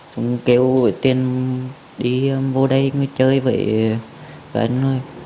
xong kêu với tuyên đi vô đây chơi với anh thôi